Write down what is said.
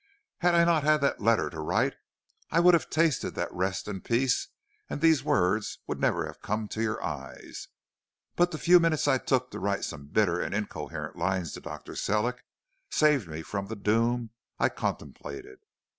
Had I not had that letter to write I would have tasted that rest and peace, and these words would never have come to your eyes. But the few minutes I took to write some bitter and incoherent lines to Dr. Sellick saved me from the doom I contemplated.